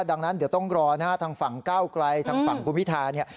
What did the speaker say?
ดังนั้นเดี๋ยวต้องรอนะฮะทางฝั่งก้าวไกลทางฝั่งคุณพิธาเนี่ย